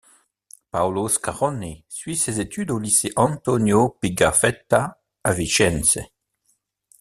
Paolo Scaroni suit ses études au lycée Antonio Pigafetta à Vicence.